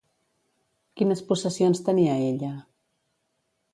Quines possessions tenia ella?